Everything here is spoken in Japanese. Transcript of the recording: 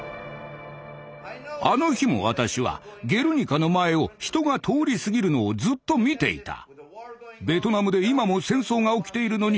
あの日も私は「ゲルニカ」の前を人が通り過ぎるのをずっと見ていた。